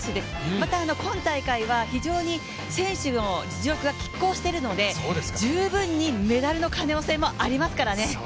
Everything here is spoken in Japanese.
また、今大会は非常に選手の実力がきっ抗しているので十分にメダルの可能性もありますからね